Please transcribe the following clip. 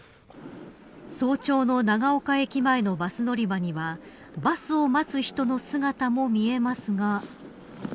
早朝の長岡駅前のバス乗り場にはバスを待つ人の姿も見えますが。